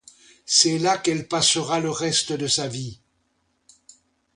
C'est là qu'elle passera le reste de sa vie.